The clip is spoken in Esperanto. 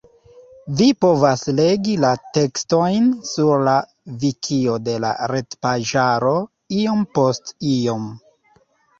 Vi povas legi la tekstojn sur la Vikio de la retpaĝaro Iom post iom.